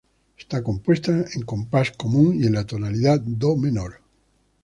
Está compuesta en compás común y en la tonalidad Do menor.